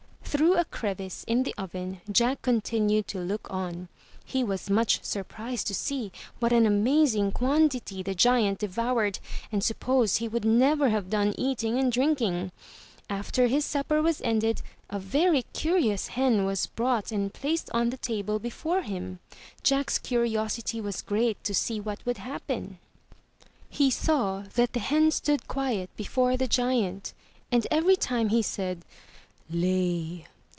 Through a crevice in the oven Jack continued to look on. He was much surprised to see what an amazing quantity the giant devoured, and supposed he would never have done eating and drinking. After his supper was ended, a very curious hen was brought and placed on the table before him. Jack's curiosity was great to see what would happen. He saw that the hen stood quiet before the giant, and every time he said ''Lay!'